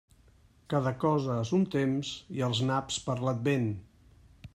Cada cosa a son temps, i els naps per l'Advent.